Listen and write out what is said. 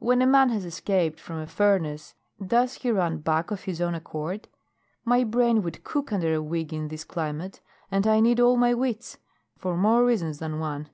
"When a man has escaped from a furnace does he run back of his own accord? My brain would cook under a wig in this climate, and I need all my wits for more reasons than one."